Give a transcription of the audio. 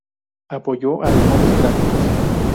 Apoyo a los modos gráficos.